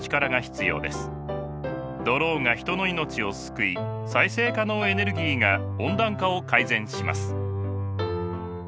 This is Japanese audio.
ドローンが人の命を救い再生可能エネルギーが温暖化を改善します。